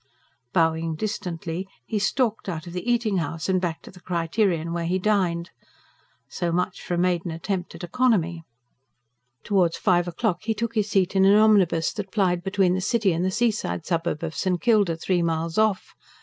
Bowing distantly he stalked out of the eating house and back to the "Criterion," where he dined. "So much for a maiden attempt at economy!" Towards five o'clock he took his seat in an omnibus that plied between the city and the seaside suburb of St. Kilda, three miles off.